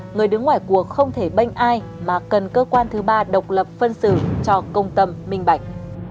người đứng ngoài cuộc không thể banh ai mà cần cơ quan thứ ba độc lập phân xử cho công tâm minh bạch